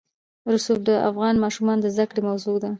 رسوب د افغان ماشومانو د زده کړې موضوع ده.